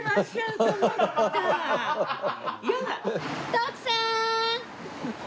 徳さーん！